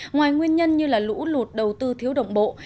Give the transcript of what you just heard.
ngoài nguyên nhân như lũ lụt đầu tư thiếu động bộ